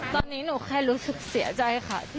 ตอนนี้หนูแค่รู้สึกเสียใจค่ะ